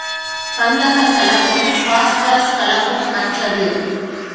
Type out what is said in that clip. கந்தகக் கலப்பும், பாஸ்பரஸ் கலப்பும் அற்றது.